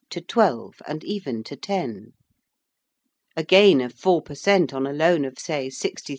to twelve and even to ten. A gain of four per cent. on a loan of, say, 60,000_l.